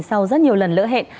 sau rất nhiều lần lỡ hẹn